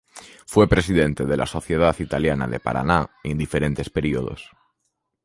Fue presidente de la Sociedad Italiana de Paraná en diferentes períodos.